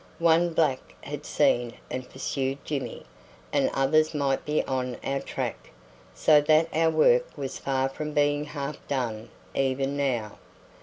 One black had seen and pursued Jimmy, and others might be on our track, so that our work was far from being half done even now.